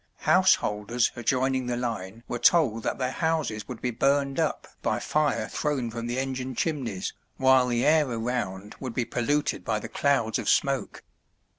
Householders adjoining the line were told that their houses would be burned up by fire thrown from the engine chimneys, while the air around would be polluted by the clouds of smoke.